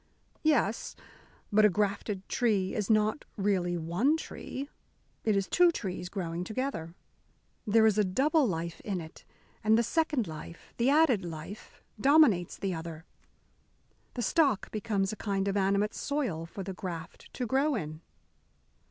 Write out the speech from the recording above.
"Yes, but a grafted tree is not really one tree. It is two trees growing together. There is a double life in it, and the second life, the added life, dominates the other. The stock becomes a kind of animate soil for the graft to grow in."